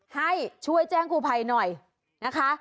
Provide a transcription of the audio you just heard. ให้ช่วยแจ้งกูภัยหน่อยนะคะ